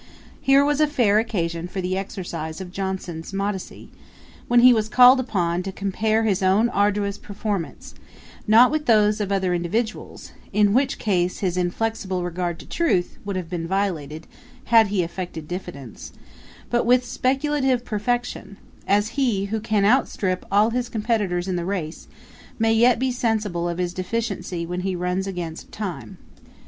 Here was a fair occasion for the exercise of Johnson's modesty, when he was called upon to compare his own arduous performance, not with those of other individuals, (in which case his inflexible regard to truth would have been violated, had he affected diffidence,) but with speculative perfection; as he, who can outstrip all his competitors in the race, may yet be sensible of his deficiency when he runs against time.